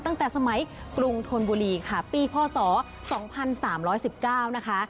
ตั้งแต่สมัยกรุงธนบุรีค่ะปีพศ๒๓๑๙นะคะ